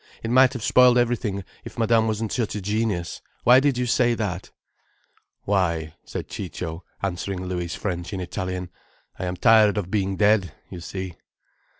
It might have spoiled everything if Madame wasn't such a genius. Why did you say that?" "Why," said Ciccio, answering Louis' French in Italian, "I am tired of being dead, you see."